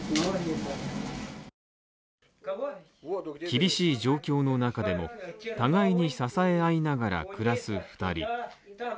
厳しい状況の中でも互いに支え合いながら暮らす２人。